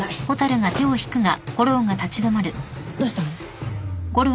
どうしたの？